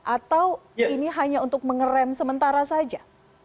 atau ini hanya untuk mengeram sementara saja